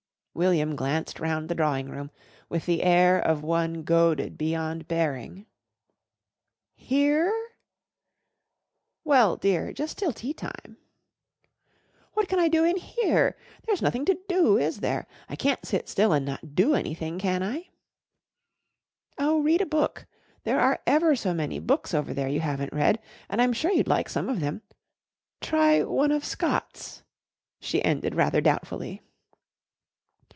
William glanced round the drawing room with the air of one goaded beyond bearing. "Here?" "Well, dear just till tea time." "What can I do in here? There's nothing to do, is there? I can't sit still and not do anything, can I?" "Oh, read a book. There are ever so many books over there you haven't read, and I'm sure you'd like some of them. Try one of Scott's," she ended rather doubtfully.